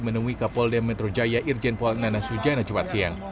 menemui kapolda metro jaya irjen polnana sujana